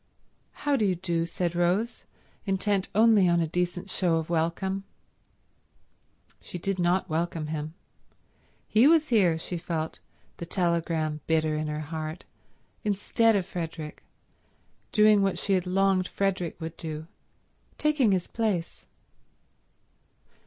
"How do you do," said Rose, intent only on a decent show of welcome. She did not welcome him. He was here, she felt, the telegram bitter in her heart, instead of Frederick, doing what she had longed Frederick would do, taking his place.